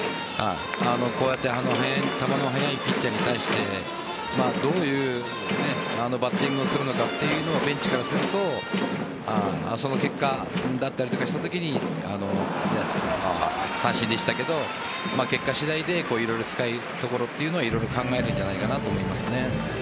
こうやって球の速いピッチャーに対してどういうバッティングをするのかというのをベンチからするとその結果だったりとかしたときに三振でしたが、結果次第でいろいろ使いどころは考えるんじゃないかなと思います。